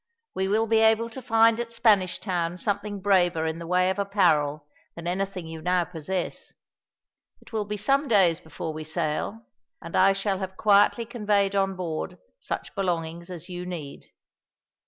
We will be able to find at Spanish Town something braver in the way of apparel than anything you now possess. It will be some days before we sail, and I shall have quietly conveyed on board such belongings as you need."